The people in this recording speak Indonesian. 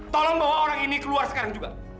tolong bawa orang ini keluar sekarang juga